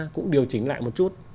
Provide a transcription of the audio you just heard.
cũng điều chỉnh lại một chút